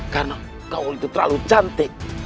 karena kau itu terlalu cantik